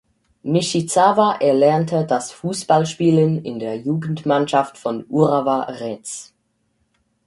Nishizawa erlernte das Fußballspielen in der Jugendmannschaft von Urawa Reds.